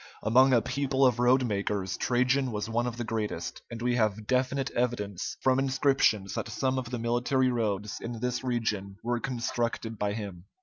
Among a people of roadmakers, Trajan was one of the greatest, and we have definite evidence from inscriptions that some of the military roads in this region were constructed by him.